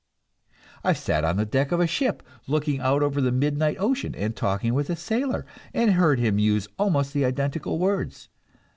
I have sat on the deck of a ship, looking out over the midnight ocean and talking with a sailor, and heard him use almost the identical words.